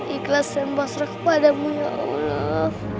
ikhlas dan basrah padamu ya allah